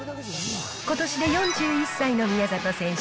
ことしで４１歳の宮里選手。